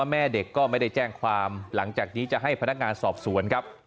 แม่เด็กก็ไม่ได้แจ้งความหลังจากนี้จะให้พนักงานสอบสวนครับ